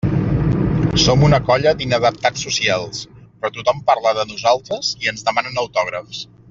Som una colla d'inadaptats socials, però tothom parla de nosaltres i ens demanen autògrafs.